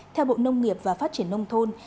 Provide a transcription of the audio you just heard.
theo bộ nông nghiệp và phát triển nông thôn